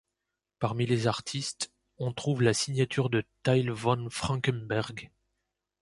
Parmi les artistes, on trouve la signature de Tyle von Frankenberg.